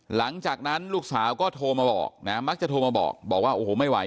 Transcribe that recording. หลังจากนั้นลูกสาวก็โทรมาบอกนะมักจะโทรมาบอกบอกว่าโอ้โหไม่ไหว